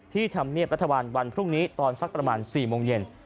ธรรมเนียบรัฐบาลวันพรุ่งนี้ตอนสักประมาณ๔โมงเย็น